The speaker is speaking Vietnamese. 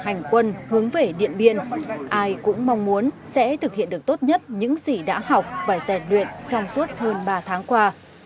hành quân hướng về điện biên ai cũng mong muốn sẽ thực hiện được tốt nhất những gì đã học và rèn luyện trong suốt hơn ba tháng qua